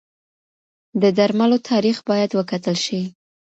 د درملو تاریخ باید وکتل شي.